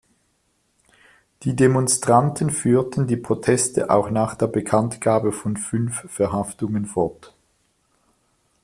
Die Demonstranten führten die Proteste auch nach der Bekanntgabe von fünf Verhaftungen fort.